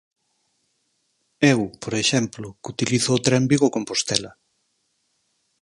Eu, por exemplo, que utilizo o tren Vigo-Compostela.